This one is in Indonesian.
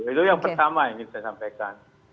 itu yang pertama yang ingin saya sampaikan